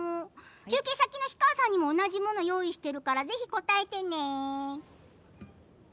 中継先の氷川さんにも同じものを用意しているからぜひ答えてね。